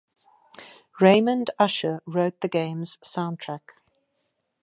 Raymond Usher wrote the game's soundtrack.